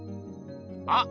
あっ！